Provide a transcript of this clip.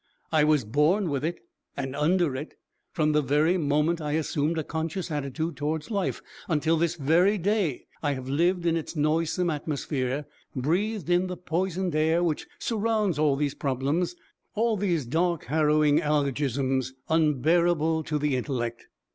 I was born with it and under it. From the very moment I assumed a conscious attitude towards life until this very day I have lived in its noisome atmosphere, breathed in the poisoned air which surrounds all these 'problems,' all these dark, harrowing alogisms, unbearable to the intellect.